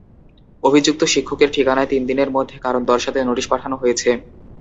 অভিযুক্ত শিক্ষকের ঠিকানায় তিন দিনের মধ্যে কারণ দর্শাতে নোটিশ পাঠানো হয়েছে।